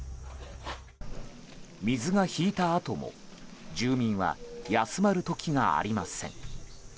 水が引いたあとも住民は休まる時がありません。